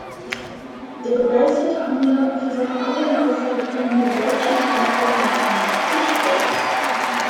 Der begeisterte Angler versah alle in Auswahl kommenden deutschen Städte mit einem „Fish code“.